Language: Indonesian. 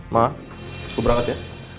ma aku berangkat ya